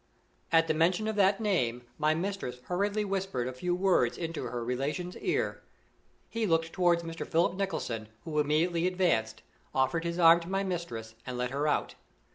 At the mention of that name my mistress hurriedly whispered a few words into her relation's ear. He looked toward Mr. Philip Nicholson, who immediately advanced, offered his arm to my mistress, and led her out.